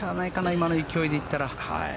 今の勢いでいったら。